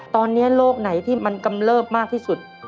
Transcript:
ตอนนี้โรคไหนที่มันกำเลิบมากที่สุด